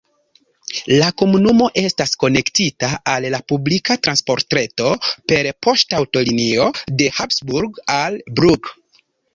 La komunumo estas konektita al la publika transportreto per poŝtaŭtolinio de Habsburgo al Brugg.